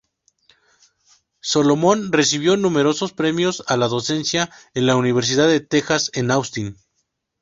Solomon recibió numerosos premios a la docencia en la Universidad de Texas en Austin.